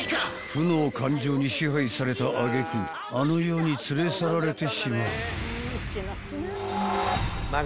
［負の感情に支配された揚げ句あの世に連れ去られてしまう］